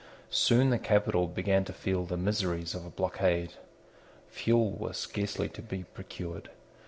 Soon the capital began to feel the miseries of a blockade. Fuel was scarcely to be procured.